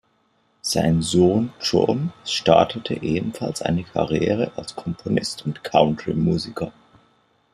Sein Sohn John startete ebenfalls eine Karriere als Komponist und Country-Musiker.